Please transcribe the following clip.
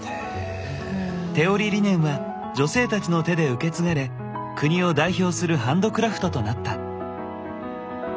手織りリネンは女性たちの手で受け継がれ国を代表するハンドクラフトとなった。